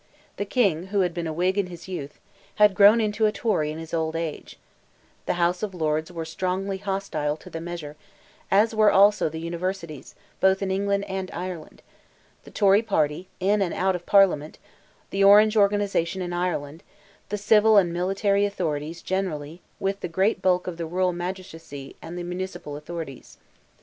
The King, who had been a Whig in his youth, had grown into a Tory in his old age; the House of Lords were strongly hostile to the measure, as were also the universities, both in England and Ireland; the Tory party, in and out of Parliament; the Orange organization in Ireland; the civil and military authorities generally, with the great bulk of the rural magistracy and the municipal authorities.